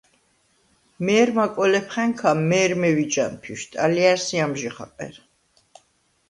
მე̄რმა კოლეფხა̈ნქა მე̄რმე ვიჯ ანფიშვდ, ალჲა̈რსი ამჟი ხაყერ.